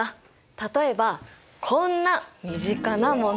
例えばこんな身近なもの！